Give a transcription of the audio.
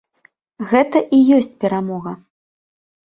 Гэта і ёсць перамога.